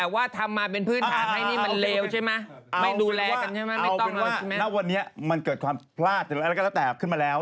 เอาเป็นว่าณวันนี้มันเกิดความพลาดแล้วก็แล้วแตกขึ้นมาแล้ว